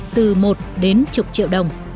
từ một đến chục triệu đồng